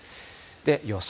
予想